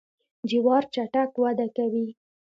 جوار چټک وده کوي.